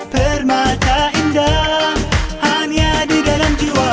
permata indah hanya di dalam jiwa